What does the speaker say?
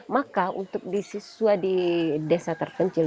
maka untuk di siswa di desa terpencil